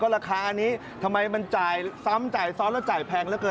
ก็ราคานี้ทำไมมันจ่ายซ้ำจ่ายซ้อนและจ่ายแพงแล้วเกิน